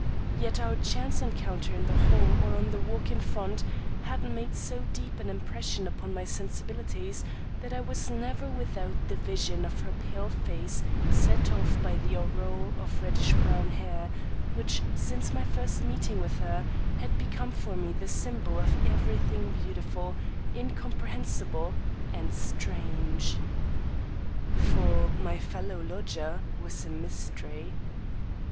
Yet our chance encounter in the hall or on the walk in front, had made so deep an impression upon my sensibilities that I was never without the vision of her pale face set off by the aureole of reddish brown hair, which, since my first meeting with her, had become for me the symbol of everything beautiful, incomprehensible and strange. For my fellow lodger was a mystery.